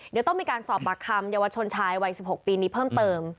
เดี๋ยวต้องมีการสอบปากคำเยาวชนชายวัย๑๖ปีนี้เพิ่มเติม